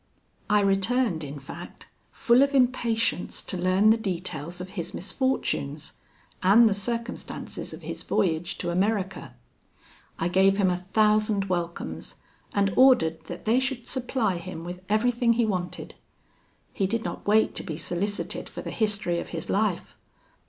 I returned, in fact, full of impatience to learn the details of his misfortunes, and the circumstances of his voyage to America. I gave him a thousand welcomes, and ordered that they should supply him with everything he wanted. He did not wait to be solicited for the history of his life.